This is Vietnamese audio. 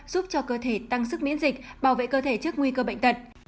giúp cho cơ thể tăng sức miễn dịch bảo vệ cơ thể trước nguy cơ bệnh tật